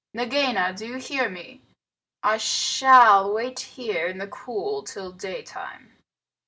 Nagaina do you hear me? I shall wait here in the cool till daytime."